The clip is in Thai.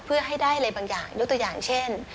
เพื่อให้ได้อะไรบางอย่างยกตัวอย่างเช่น